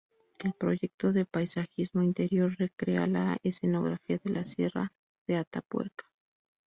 El proyecto de paisajismo interior recrea la escenografía de la sierra de Atapuerca.